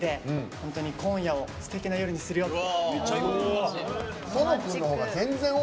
本当に今夜をすてきな夜にするよって。